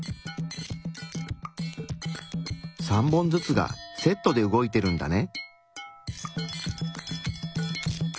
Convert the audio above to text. ３本ずつがセットで動いてるんだね。